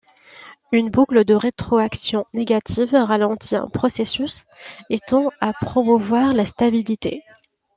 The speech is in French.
Une boucle de rétroaction négative ralentit un processus, et tend à promouvoir la stabilité.